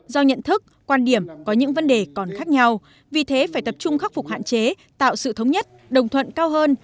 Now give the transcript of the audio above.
do nhận thức quan điểm có những vấn đề còn khác nhau vì thế phải tập trung khắc phục hạn chế tạo sự thống nhất đồng thuận cao hơn